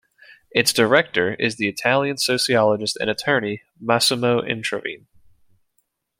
Its director is the Italian sociologist and attorney Massimo Introvigne.